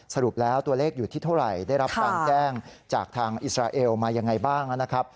สรุปแล้วตัวเลขอยู่ที่เท่าไหร่ได้รับการแจ้งจากทางอิสราเอลมายังไงบ้างนะครับ